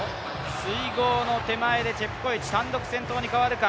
水濠の手前でチェプコエチ、単独先頭に変わるか。